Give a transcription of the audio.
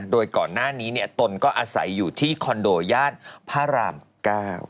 โดยก่อนหน้านี้ตนก็อาศัยอยู่ที่คอนโดย่านพระราม๙